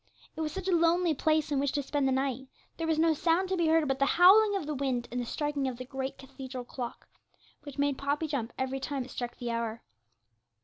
It was such a lonely place in which to spend the night: there was no sound to be heard but the howling of the wind and the striking of the great cathedral clock, which made Poppy jump every time it struck the hour.